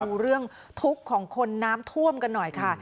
ดูเรื่องทุกข์ของคนน้ำท่วมกันหน่อยค่ะ